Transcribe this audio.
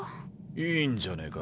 いいんじゃねぇか？